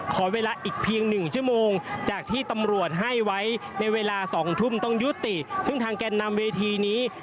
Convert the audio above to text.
ขอเวลาอีกเพียง๑ชั่วโมงจากที่ตำรวจให้ไว้ในเวลา๒ทุ่มต้องยุติ